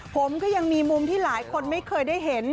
ผมก็ยังมีมุมที่หลายคนไม่เคยได้เห็น